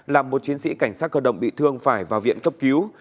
làm một chiến sĩ cảnh sát cơ động bị thương phải vào viện cấp cứu